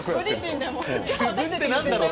「自分って何だろう？」。